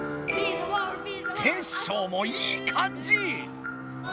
テッショウもいいかんじ！